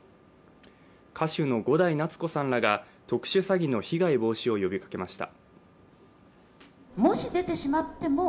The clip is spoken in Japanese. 歌手の伍代夏子さんらが特殊詐欺の被害防止を呼びかけました。